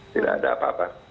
tidak ada apa apa